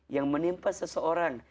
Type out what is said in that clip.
yang menimpa seseorang